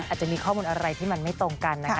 อาจจะมีข้อมูลอะไรที่มันไม่ตรงกันนะคะ